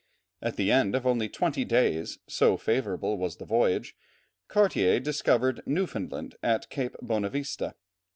At the end of only twenty days, so favourable was the voyage, Cartier discovered Newfoundland at Cape Bonavista.